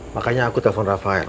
makanya aku telepon raphael